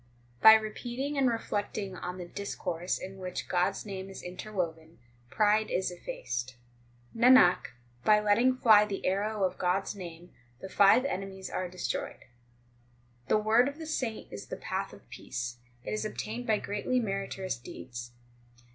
6 By repeating and reflecting on the discourse in which God s name is interwoven, pride is effaced. Nanak, by letting fly the arrow of God s name the five enemies are destroyed. The word of the saint is the path of peace ; it is obtained by greatly meritorious deeds.